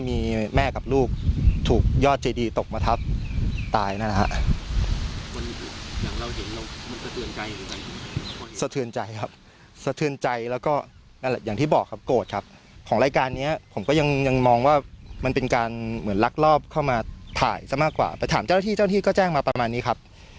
แต่ถามเจ้าหน้าที่เจ้าหน้าที่ก็แจ้งมาประมาณนี้ครับ